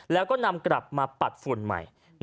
แล้วก็นำกลับมาปัดฝุ่นใหม่